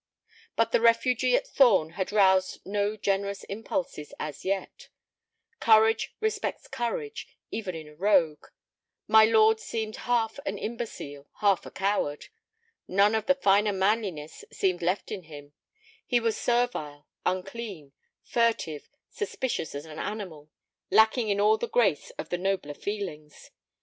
But the refugee at Thorn had roused no generous impulses as yet. Courage respects courage, even in a rogue; my lord seemed half an imbecile, half a coward. None of the finer manliness seemed left in him: he was servile, unclean, furtive, suspicious as an animal, lacking in all the grace of the nobler feelings.